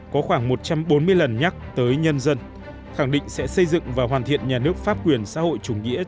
có khoảng một trăm bốn mươi lần nhắc tới nhân dân khẳng định sẽ xây dựng và hoàn thiện nhà nước pháp quyền xã hội chủ nghĩa